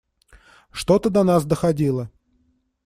Что-то до нас доходило.